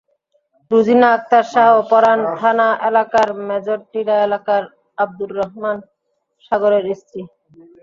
রুজিনা আক্তার শাহ পরান থানা এলাকার মেজরটিলা এলাকার আবদুর রহমান সাগরের স্ত্রী।